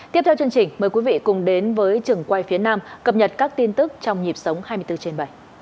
tiếp theo chương trình mời quý vị cùng đến với trường quay phía nam cập nhật các tin tức trong nhịp sống hai mươi bốn trên bảy